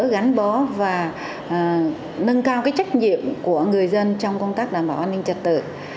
gắn bó và nâng cao trách nhiệm của người dân trong công tác đảm bảo an ninh trật tự